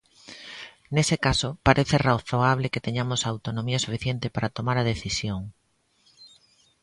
Nese caso, parece razoable que teñamos a autonomía suficiente para tomar a decisión.